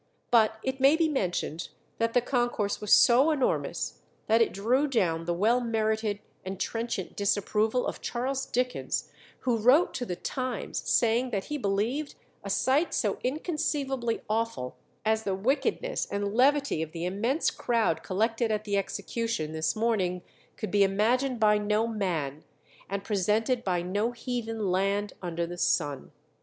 But it may be mentioned that the concourse was so enormous that it drew down the well merited and trenchant disapproval of Charles Dickens, who wrote to the 'Times,' saying that he believed "a sight so inconceivably awful as the wickedness and levity of the immense crowd collected at the execution this morning could be imagined by no man, and presented by no heathen land under the sun.